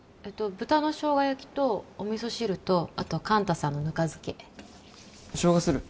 豚のしょうが焼きとお味噌汁とあと寛太さんのぬか漬けしょうがする？